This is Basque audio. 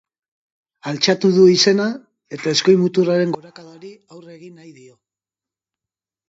Altxatu du izena eta eskuin muturraren gorakadari aurre egin nahi dio.